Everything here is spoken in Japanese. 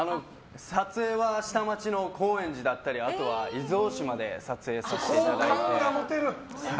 撮影は下町の高円寺だったりあとは伊豆大島で撮影させていただいて。